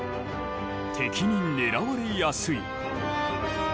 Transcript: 敵に狙われやすい。